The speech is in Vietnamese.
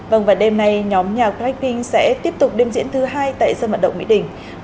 vâng vào đêm nay nhóm nhạc black king sẽ tiếp tục đêm diễn thứ hai tại sân vận động mỹ đình